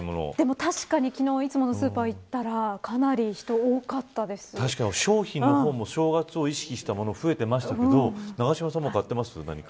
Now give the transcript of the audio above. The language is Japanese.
確かに昨日いつものスーパーに行ったら商品の方も、正月を意識したものが増えていましたけど永島さんも何か買っていますか。